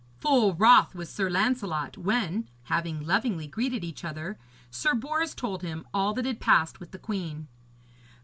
Full wroth was Sir Lancelot when, having lovingly greeted each other, Sir Bors told him all that had passed with the queen.